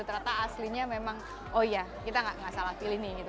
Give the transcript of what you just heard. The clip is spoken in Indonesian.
ternyata aslinya memang oh iya kita nggak salah pilih nih gitu